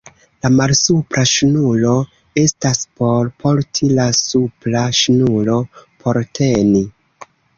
La malsupra ŝnuro estas por porti, la supra ŝnuro por teni.